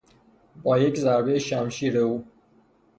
با یک ضربهی شمشیر او